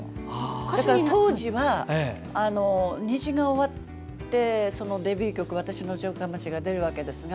だから当時は、「虹」が終わってデビュー曲の「わたしの城下町」が出るわけですが